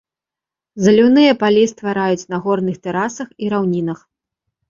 Заліўныя палі ствараюць на горных тэрасах і раўнінах.